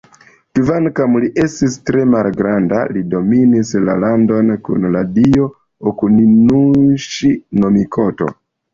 Kvankam li estis tre malgranda, li dominis la landon kun la dio Okuninuŝi-no-mikoto.